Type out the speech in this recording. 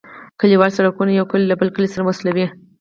کليوالي سرکونه یو کلی له بل کلي سره وصلوي